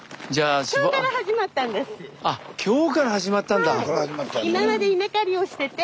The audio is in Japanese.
今日から始まったんだ。